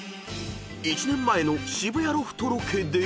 ［１年前の渋谷ロフトロケで］